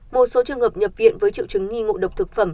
một số trường hợp nhập viện với triệu chứng nghi ngộ độc thực phẩm